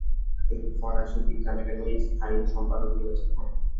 তিনি ফরাসি বিজ্ঞান একাডেমির স্থায়ী সম্পাদক নির্বাচিত হন।